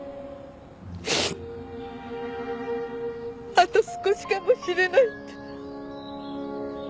あと少しかもしれないって。